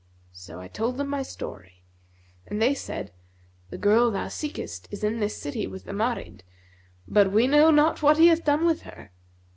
So I told them my story, and they said, 'The girl thou seekest is in this city with the Marid; but we know not what he hath done with her.